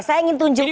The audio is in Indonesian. saya ingin tunjukkan